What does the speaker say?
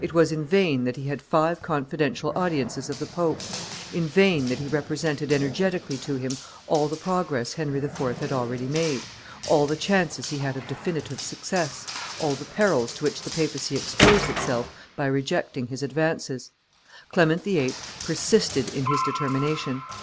It was in vain that he had five confidential audiences of the pope; in vain that he represented energetically to him all the progress Henry IV. had already made, all the chances he had of definitive success, all the perils to which the papacy exposed itself by rejecting his advances; Clement VIII. persisted in his determination.